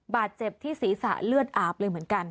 บาดเจ็บที่ศีรษะเลือดอาบเลยเหมือนกัน